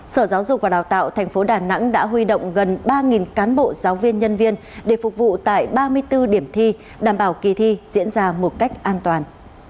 sở giáo dục và đào tạo tp đà nẵng đã huy động gần ba cán bộ giáo viên nhân viên để phục vụ tại ba mươi bốn điểm thi đảm bảo kỳ thi diễn ra một cách an toàn